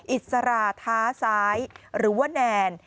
อิสราท้าซ้ายหรือว่าแนน